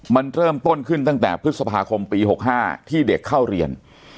มันเริ่มต้นขึ้นตั้งแต่พฤษภาคมปี๖๕ที่เด็กเข้าเรียน